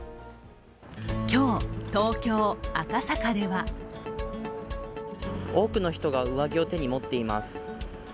今日、東京・赤坂では多くの人が上着を手に持っています。